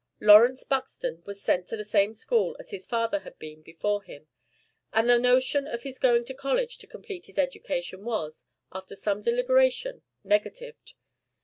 Lawrence Buxton was sent to the same school as his father had been before him; and the notion of his going to college to complete his education was, after some deliberation, negatived.